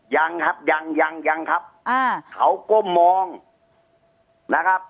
ยังครับยังยังครับเขาก้มมองนะครับ